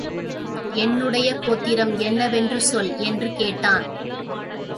என்னுடைய கோத்திரம் என்னவென்று சொல் என்று கேட்டான்.